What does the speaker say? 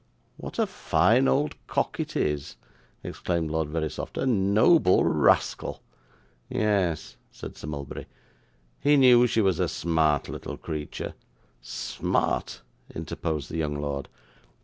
'What a fine old cock it is!' exclaimed Lord Verisopht; 'a noble rascal!' 'Yes,' said Sir Mulberry, 'he knew she was a smart little creature ' 'Smart!' interposed the young lord.